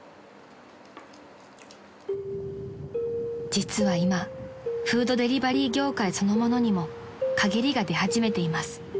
［実は今フードデリバリー業界そのものにも陰りが出始めています］